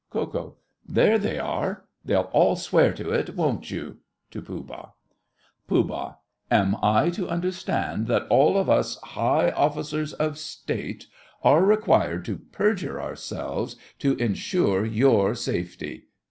KO. There they are. They'll all swear to it—won't you? (To Pooh Bah.) POOH. Am I to understand that all of us high Officers of State are required to perjure ourselves to ensure your safety?